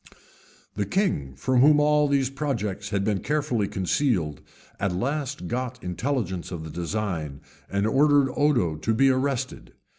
The king, from whom all these projects had been carefully concealed, at last got intelligence of the design, and ordered Odo to be arrested.